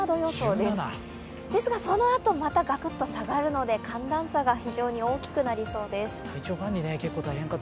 ですがそのあと、またガクッと下がるので寒暖差が非常に大きくなりそうです。